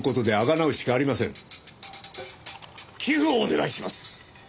寄付をお願いします！